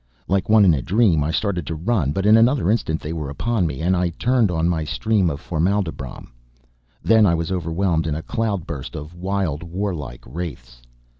Like one in a dream, I started to run, but in another instant they were upon me, and I turned on my stream of formaldybrom. Then I was overwhelmed in a cloud burst of wild warlike wraiths.